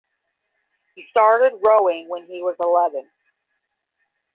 He started rowing when he was eleven.